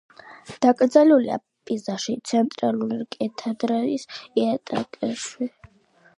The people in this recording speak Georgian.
დაკრძალულია პიზაში, ცენტრალური კათედრალის იატაკქვეშ.